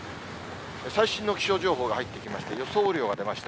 最新の気象情報が入ってきまして、予想雨量が出ました。